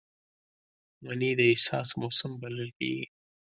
مني د احساس موسم بلل کېږي